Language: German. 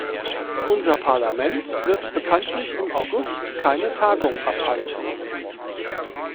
Unser Parlament wird bekanntlich im August keine Tagung abhalten.